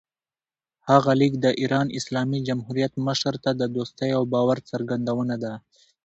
هغه لیک د ایران اسلامي جمهوریت مشر ته د دوستۍ او باور څرګندونه ده.